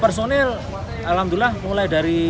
personil alhamdulillah mulai dari